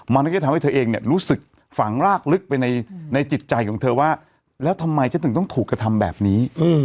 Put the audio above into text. มันก็จะทำให้เธอเองเนี่ยรู้สึกฝังรากลึกไปในจิตใจของเธอว่าแล้วทำไมฉันถึงต้องถูกกระทำแบบนี้